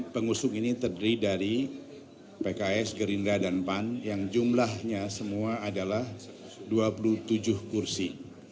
pengusung ini terdiri dari pks gerindra dan pan yang jumlahnya semua adalah dua puluh tujuh kursi